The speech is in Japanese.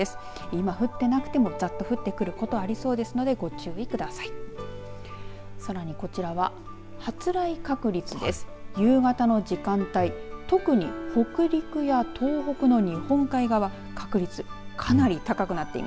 今降っていなくてもざっと降ってくることありそうですのでご注意ください。